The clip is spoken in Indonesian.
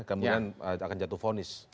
kemudian akan jatuh fonis